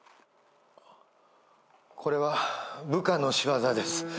これは部下の仕業です。